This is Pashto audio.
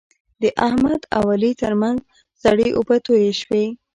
د احمد او علي ترمنځ سړې اوبه تویې شوې.